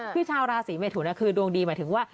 คือชาวราศีเมทุนคือดวงดีหมายถึงว่า